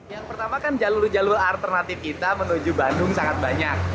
yang pertama kan jalur jalur alternatif kita menuju bandung sangat banyak